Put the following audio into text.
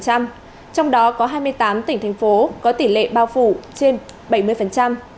trong đó có hai mươi tám tỉnh thành phố có tỷ lệ bao phủ trên bảy mươi